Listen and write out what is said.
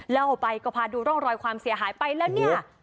เล่าไปก็พาดูร่องรอยความเสียหายไปแล้วเนี่ย